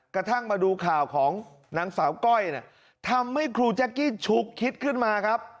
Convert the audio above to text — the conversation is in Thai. กระทั่งมาดูข่าวของนางสาวก้อยทำให้ครูแจ๊กกี้ชุกคิดขึ้นมาครับ